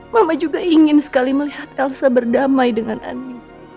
mama juga ingin sekali melihat elsa berdamai dengan ani